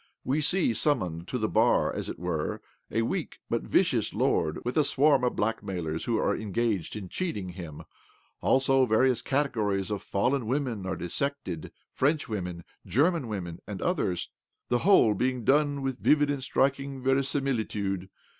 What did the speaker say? We see sum moned to the bar, as it were, a weak, but vicious, lord, with a swarm of blackmailers who are engaged in cheating him. Also various categories of fallen women are dis sected—French women, German women, and others ; the whole being done with vivid 38 OBLOMOV and striking verisimilitude.